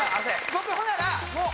僕ほんならもう。